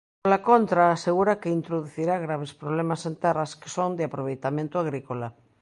Pola contra, asegura que introducirá graves problemas en terras que "son de aproveitamento agrícola".